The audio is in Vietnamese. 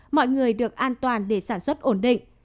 mọi người được an toàn để sản xuất ổn định